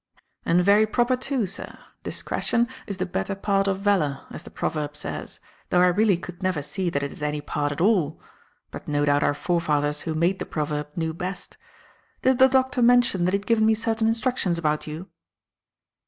"And very proper, too, sir. Discretion is the better part of valour, as the proverb says though I really could never see that it is any part at all. But no doubt our forefathers, who made the proverb, knew best. Did the Doctor mention that he had given me certain instructions about you?"